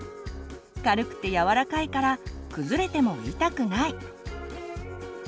軽くてやわらかいから崩れても痛くない。